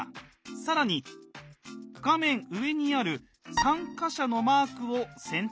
更に画面上にある「参加者」のマークを選択。